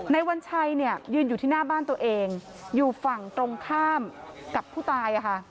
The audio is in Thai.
วัญชัยเนี่ยยืนอยู่ที่หน้าบ้านตัวเองอยู่ฝั่งตรงข้ามกับผู้ตาย